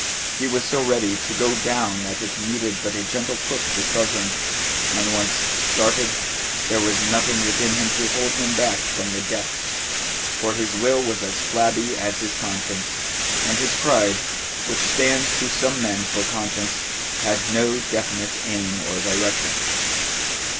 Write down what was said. He was so ready to go down that it needed but a gentle push to start him, and once started, there was nothing within him to hold him back from the depths. For his will was as flabby as his conscience, and his pride, which stands to some men for conscience, had no definite aim or direction.